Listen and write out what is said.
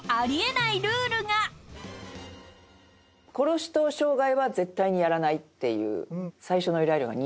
殺しと傷害は絶対にやらないっていう最初の依頼料が２００万。